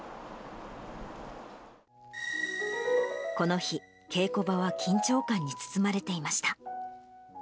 この日、稽古場は緊張感に包まれていました。